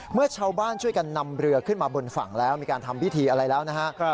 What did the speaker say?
เมื่อชาวบ้านช่วยกันนำเรือขึ้นมาบนฝั่งแล้วมีการทำพิธีอะไรแล้วนะฮะ